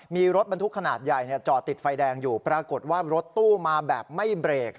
มีรถบรรทุกขนาดใหญ่จอดติดไฟแดงอยู่ปรากฏว่ารถตู้มาแบบไม่เบรก